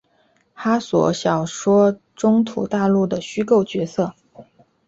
哈索小说中土大陆的虚构角色。